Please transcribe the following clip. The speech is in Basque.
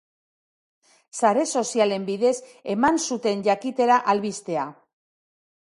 Sare sozialen bidez eman zuten jakitera albistea.